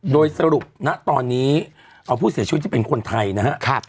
โดยสรุปณตอนนี้เอาผู้เสียชีวิตที่เป็นคนไทยนะครับ